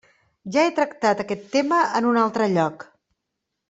Ja he tractat aquest tema en un altre lloc.